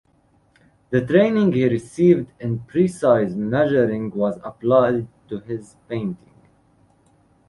The training he received in precise measuring was applied to his paintings.